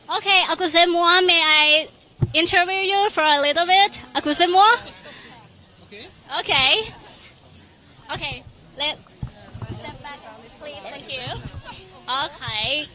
โอเคอากุศิมวะขอบคุณภูมิกับอากุศิมวะอากุศิมวะ